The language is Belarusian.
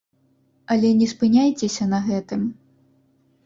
Але не спыняйцеся на гэтым!